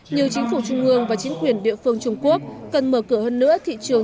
như chính phủ trung ương và chính quyền địa phương trung quốc cần mở cửa hơn nữa thị trường